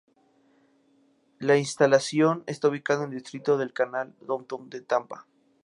La instalación está ubicada en el Distrito del Canal del Downtown de Tampa.